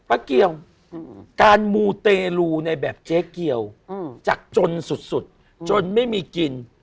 เกี่ยวการมูเตรลูในแบบเจ๊เกียวจากจนสุดจนไม่มีกิน